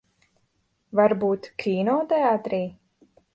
Varbūt kinoteātrī?